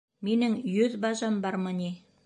Минең йөҙ бажам бармы ни?